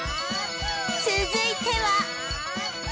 続いては